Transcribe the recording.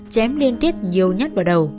chém liên tiết nhiều nhát vào đầu